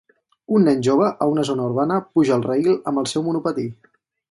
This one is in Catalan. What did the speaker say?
Un nen jove a una zona urbana puja al rail amb el seu monopatí.